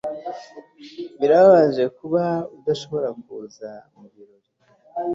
Birababaje kuba udashobora kuza mubirori